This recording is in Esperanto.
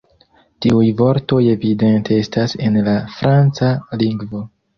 Tiuj vortoj evidente estas en la franca lingvo.